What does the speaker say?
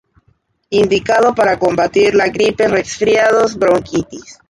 Indicado para combatir la gripe, resfriados, bronquitis.